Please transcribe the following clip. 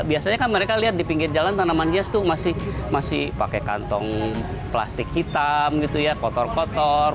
biasanya kan mereka lihat di pinggir jalan tanaman hias itu masih pakai kantong plastik hitam gitu ya kotor kotor